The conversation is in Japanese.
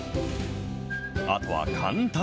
あとは簡単。